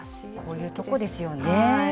こういうとこですよね。